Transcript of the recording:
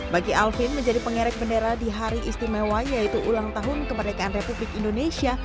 bagi alvin menjadi pengerek bendera di hari istimewa yaitu ulang tahun kemerdekaan republik indonesia